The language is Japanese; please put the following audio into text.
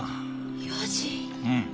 うん。